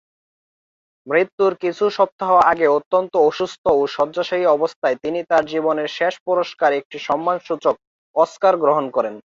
মৃত্যুর কিছু সপ্তাহ আগে অত্যন্ত অসুস্থ ও শয্যাশায়ী অবস্থায় তিনি তার জীবনের শেষ পুরস্কার একটি সম্মানসূচক অস্কার গ্রহণ করেন।